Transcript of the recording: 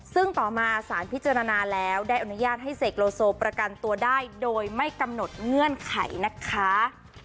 ซึ่งต่อมาสารพิจารณาแล้วได้อนุญาตให้เสกโลโซประกันตัวได้โดยไม่กำหนดเงื่อนไขนะคะ